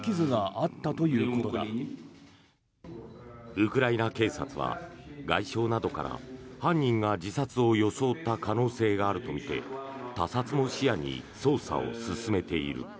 ウクライナ警察は外傷などから犯人が自殺を装った可能性があるとみて他殺も視野に捜査を進めている。